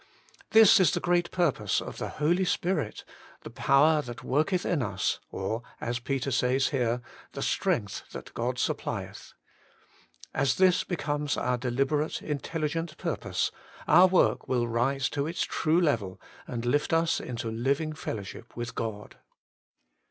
This is the great purpose of the Working for God 159 Holy Spirit, the power that worketh in us, or, as Peter says here, ' the strength that God suppHeth.' As this becomes our de hberate, intelligent purpose, our work will rise to its true level, and lift us into living fellowship with God.